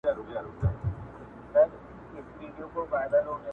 بلجیمي سره تک شنه یخ ته تېره کړه